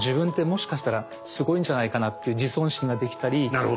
なるほど。